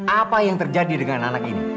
apa yang terjadi dengan anak ini